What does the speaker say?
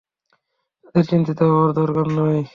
তাদের চিন্তিত হবার দরকার নেই।